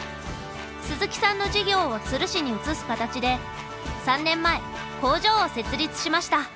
鈴木さんの事業を都留市に移す形で３年前工場を設立しました。